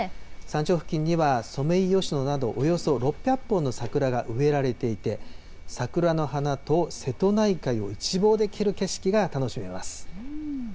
山頂付近にはソメイヨシノなど、およそ６００本の桜が植えられていて、桜の花と瀬戸内海を一望できる景色が楽しめます。